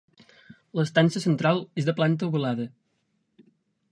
L'estança central és de planta ovalada.